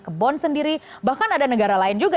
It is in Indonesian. kebon sendiri bahkan ada negara lain juga